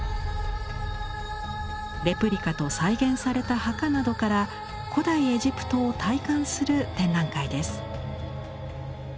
レプリカと再現された墓などから古代エジプトを体感する展覧会です。